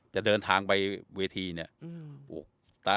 จะเดินทางไปเวทีเนี่ย